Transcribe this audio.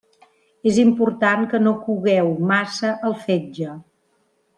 És important que no cogueu massa el fetge.